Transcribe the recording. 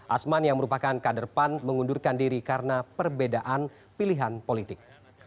asman yang merupakan kader pan mengundurkan diri karena perbedaan pilihan politik